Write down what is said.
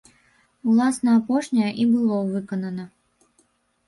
Уласна апошняе і было выканана.